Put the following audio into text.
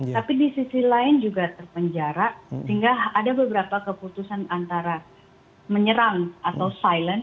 tapi di sisi lain juga terpenjara sehingga ada beberapa keputusan antara menyerang atau silent